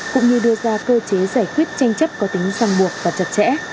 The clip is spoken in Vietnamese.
cũng như đưa ra cơ chế giải quyết tranh chấp có tính song buộc và chật chẽ